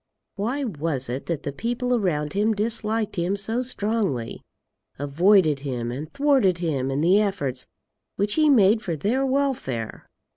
Why was it that the people around him disliked him so strongly, avoided him and thwarted him in the efforts which he made for their welfare?